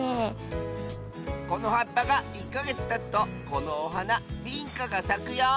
このはっぱが１かげつたつとこのおはなビンカがさくよ！